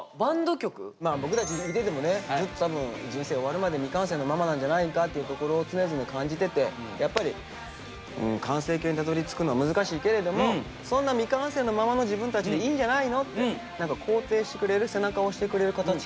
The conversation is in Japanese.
僕たち生きててもねずっと多分人生終わるまで未完成のままなんじゃないんかっていうところを常々感じててやっぱり完成形にたどりつくのは難しいけれどもそんな未完成のままの自分たちでいいんじゃないのって何か肯定してくれる背中を押してくれる形かな